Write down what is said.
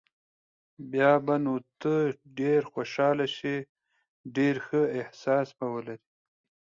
بیا به نو ته ډېر خوشاله شې، ډېر ښه احساس به ولرې.